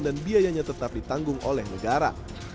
dan biayanya tetap ditanggung oleh negara